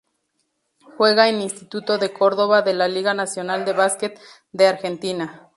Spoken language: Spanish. Juega en Instituto de Córdoba de la Liga Nacional de Básquet de Argentina.